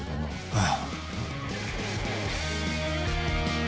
ああ。